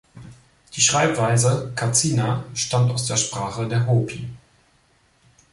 Die Schreibweise "Katsina" stammt aus der Sprache der Hopi.